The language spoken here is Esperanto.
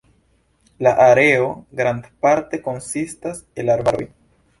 La areo grandparte konsistas el arbaroj.